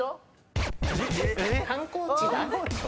観光地は？